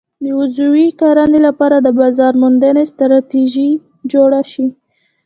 د عضوي کرنې لپاره د بازار موندنې ستراتیژي جوړه شي.